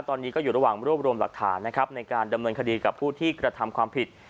ตอนนี้ก็อยู่ระหว่างรวบรวมหลักฐานนะครับในการดำเนินคดีกับผู้ที่กระทำความผิด